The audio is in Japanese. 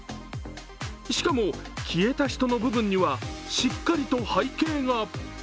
しかも、消えた人の部分にはしっかりと背景が。